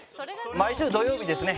毎週土曜日ですね